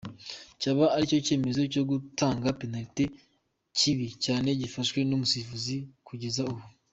Cyaba ari cyo cyemezo cyo gutanga penaliti kibi cyane gifashwe n'umusifuzi kugeza ubu?.